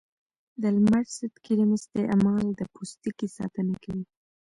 د لمر ضد کریم استعمال د پوستکي ساتنه کوي.